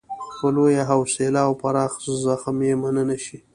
په لویه حوصله او پراخ زغم یې مننه وشي.